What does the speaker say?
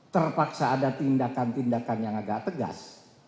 terpaksa ada tindakan tindakan yang agak tegas